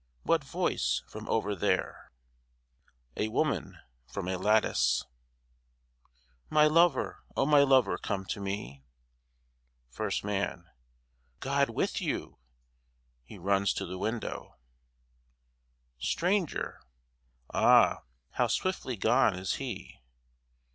What voice from over there? A WOMAN (from a lattice) My lover, O my lover, come to me! FIRST MAN God with you. (he runs to the window) STRANGER Ah, how swiftly gone is he!